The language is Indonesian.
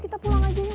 kita pulang aja yuk